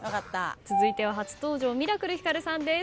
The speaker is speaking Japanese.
続いては初登場ミラクルひかるさんです。